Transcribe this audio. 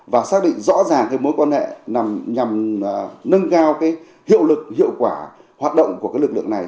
và xác định rõ ràng mối quan hệ nhằm nâng cao hiệu quả hoạt động của lực lượng này